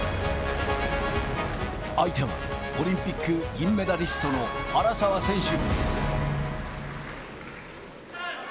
相手はオリンピック銀メダリストの原沢選手。